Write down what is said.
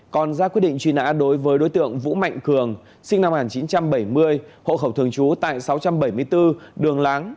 còn ra quyết định truy nã đối với đối tượng vũ mạnh cường sinh năm một nghìn chín trăm bảy mươi hộ khẩu thường trú tại sáu trăm bảy mươi bốn đường láng